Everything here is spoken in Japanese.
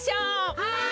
はい！